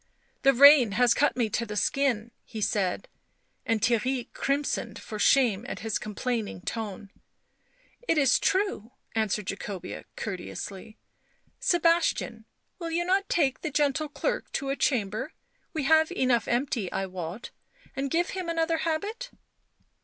" The rain has cut me to the skin," he said, and Theirry crimsoned for shame at his complaining tone. "It is true," answered Jaeobea courteously. " Sebastian, will you not take the gentle clerk to a chamber — we have enough empty, I wot — and give him another habit